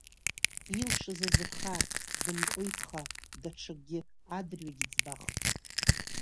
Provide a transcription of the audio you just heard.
Илшаз азырха, дымҟәиҭха, даҽакгь адырҩагь иӡбахит…